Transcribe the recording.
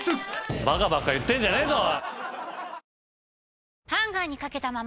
バカばっか言ってんじゃねえぞ。